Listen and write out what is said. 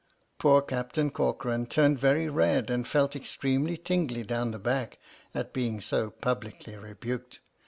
Poor Captain Corcoran turned very red and felt extremely tingly down the back at being so publicly rebuked.